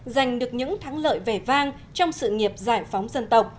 giành được những thắng lợi vẻ vang trong sự nghiệp giải phóng dân tộc